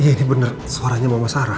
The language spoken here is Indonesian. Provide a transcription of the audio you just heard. iya ini bener suaranya mama sarah